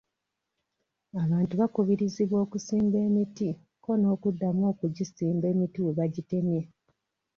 Abantu bakubirizibwa okusimba emiti kko n'akuddamu okugisimba emiti we bagitemye.